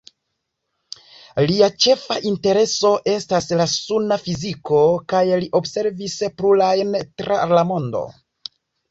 Lia ĉefa intereso estas la suna fiziko kaj li observis plurajn tra la mondo.